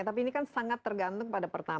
tapi ini kan sangat tergantung pada pertama